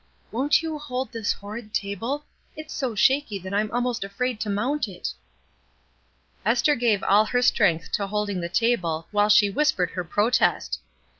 Won't you hold this horrid table? It is so shaky that I'm almost afraid to mount it." Esther gave all her strength to holding the table while she whispered her protest.